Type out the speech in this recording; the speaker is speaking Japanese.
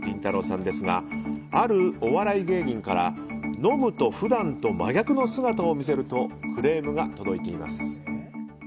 さんですがあるお笑い芸人から飲むと普段と真逆の姿を見せるとクレームが届いています。